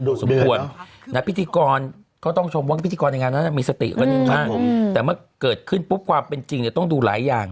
สมควรนะพิธีกรก็ต้องชมว่าพิธีกรในงานนั้นมีสติกว่านี้มากแต่เมื่อเกิดขึ้นปุ๊บความเป็นจริงเนี่ยต้องดูหลายอย่าง